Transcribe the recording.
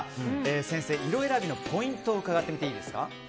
先生に色選びのポイントを伺っていいですか？